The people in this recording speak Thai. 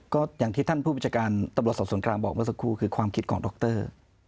ก็อย่างที่ท่านผู้บัญชาการตำรวจสอบสวนกลางบอกเมื่อสักครู่คือความคิดของดร